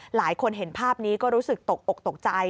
หลายคนเห็นภาพนี้ก็รู้สึกตกอกตกใจ